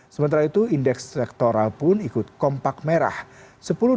sementara itu indeks sektoral pun ikut kompak merah